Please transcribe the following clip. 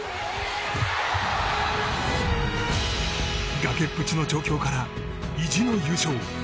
崖っぷちの状況から維持の優勝。